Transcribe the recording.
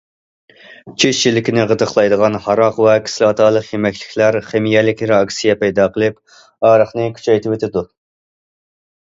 چىش يىلىكىنى غىدىقلايدىغان ھاراق ۋە كىسلاتالىق يېمەكلىكلەر خىمىيەلىك رېئاكسىيە پەيدا قىلىپ، ئاغرىقنى كۈچەيتىۋېتىدۇ.